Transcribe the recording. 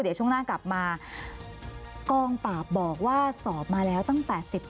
เดี๋ยวช่วงหน้ากลับมากองปราบบอกว่าสอบมาแล้วตั้งแต่สิบปี